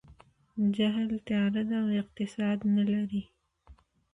جهل تیاره ده او اقتصاد نه لري.